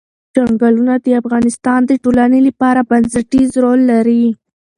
چنګلونه د افغانستان د ټولنې لپاره بنسټيز رول لري.